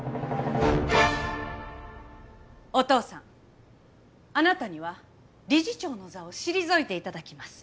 お父さんあなたには理事長の座を退いて頂きます。